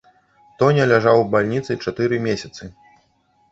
Тоня ляжаў у бальніцы чатыры месяцы.